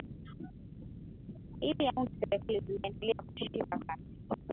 ili aunde serikali zimeendelea kushika kasi